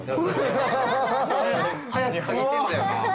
早く嗅ぎてえんだよな。